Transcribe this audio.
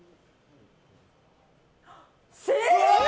正解！